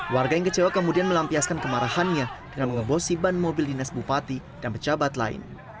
warga yang kecewa kemudian melampiaskan kemarahannya dengan mengebosi ban mobil dinas bupati dan pejabat lain